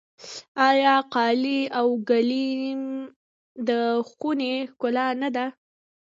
آیا قالي او ګلیم د خونې ښکلا نه ده؟